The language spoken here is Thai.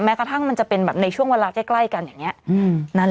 แม้กระทั่งมันจะเป็นในช่วงเวลาใกล้กัน